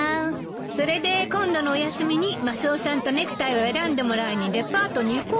それで今度のお休みにマスオさんとネクタイを選んでもらいにデパートに行こうと思ってるの。